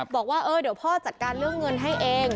บอกว่าเดี๋ยวพ่อจัดการเรื่องเงินให้เอง